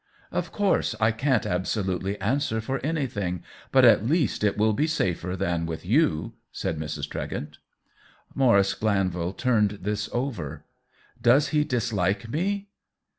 Of course I can't absolutely answer for anything, but at least it will be safer than with you^^ said Mrs. Tregent. Maurice Glanvil turned this over. " Does he dislike me